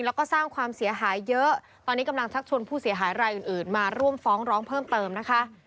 แล้วก็สร้างความเสียหายเยอะตอนนี้กำลังชักชวนผู้เสียหายรายอื่นมาร่วมฟ้องร้องเพิ่มเติมนะคะ